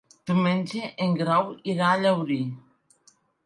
Diumenge en Grau irà a Llaurí.